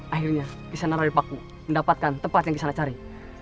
akhirnya disana rupaku mendapatkan tempat yang disana cari